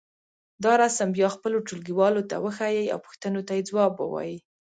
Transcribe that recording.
دا رسم بیا خپلو ټولګيوالو ته وښیئ او پوښتنو ته یې ځواب ووایئ.